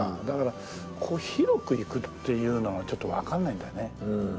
だから広くいくっていうのがちょっとわかんないんだよね。